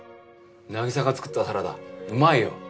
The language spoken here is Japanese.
凪沙が作ったサラダうまいよ。